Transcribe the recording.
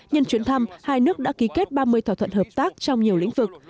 nhân chuyến thăm hai nước đã ký kết ba mươi thỏa thuận hợp tác trong nhiều lĩnh vực